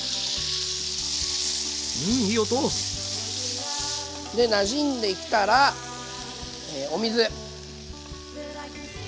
うんいい音！でなじんできたらお水。